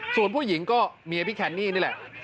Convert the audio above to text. ส่วนผู้หญิงก็เมียพี่แคนนี่นี่แหละ